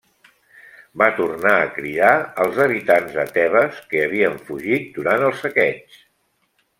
Va tornar a cridar els habitants de Tebes que havien fugit durant el saqueig.